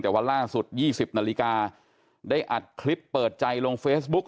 แต่วันล่าสุด๒๐นาฬิกาได้อัดคลิปเปิดใจลงเฟซบุ๊ก